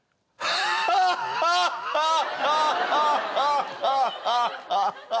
ハーハッハッハッ。